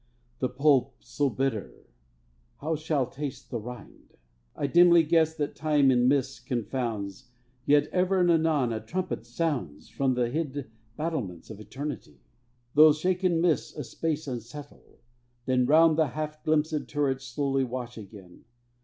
The pulp so bitter, how shall taste the rind? I dimly guess what Time in mists confounds; Yet ever and anon a trumpet sounds From the hid battlements of Eternity; Those shaken mists a space unsettle, then Round the half glimpsèd turrets slowly wash again.